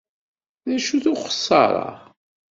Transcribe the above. D acu-t uxeṣṣaṛ-a?